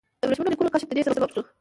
د ورېښمینو لیکونو کشف د دې سبب شو.